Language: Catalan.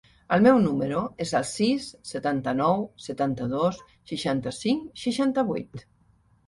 El meu número es el sis, setanta-nou, setanta-dos, seixanta-cinc, seixanta-vuit.